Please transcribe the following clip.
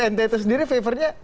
ntt sendiri favornya